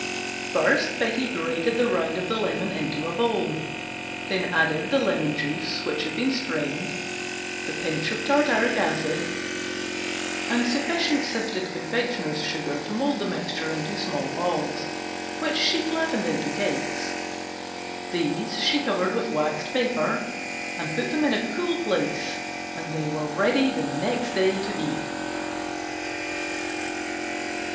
First Betsey grated the rind of the lemon into a bowl, then added the lemon juice (strained), the pinch of tartaric acid and sufficient sifted confectioner's sugar to mold into small balls which she flattened into cakes. These she covered with waxed paper and put in a cool place and they were ready the next day to eat.